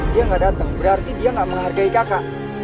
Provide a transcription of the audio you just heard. dia gak dateng berarti dia gak menghargai kamu